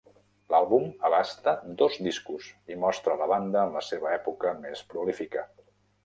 L'àlbum abasta dos discos i mostra la banda en la seva època més prolífica.